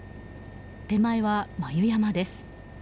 手前は眉山です。